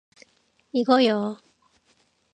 이거요.